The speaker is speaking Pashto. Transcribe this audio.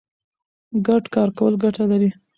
ګډ کار کول ګټه لري.